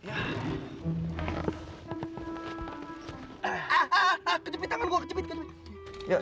aduh kejepit tangan gua